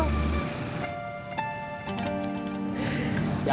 jangan pada ngobrol aja aku